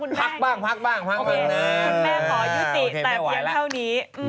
คุณแม่ขอยุติแบบหยิงเท่านี้